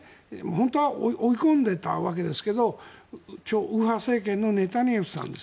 本当は追い込んでたわけですが右派政権のネタニヤフさん